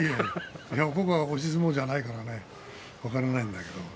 僕、押し相撲じゃないから分からないんだけどね